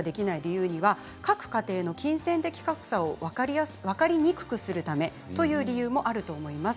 これには各家庭の金銭的な格差を分かりにくくするためという理由もあると思います。